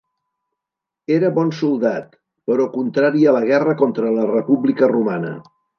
Era bon soldat, però contrari a la guerra contra la República Romana.